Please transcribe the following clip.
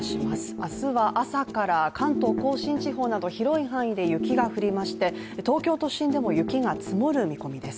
明日は朝から関東甲信地方など広い範囲で雪が降りまして、東京都心でも雪が積もる見込みです。